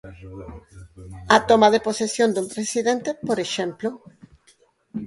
A toma de posesión dun presidente, por exemplo.